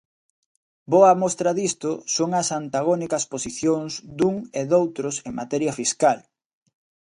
Boa mostra disto son as antagónicas posicións dun e doutros en materia fiscal.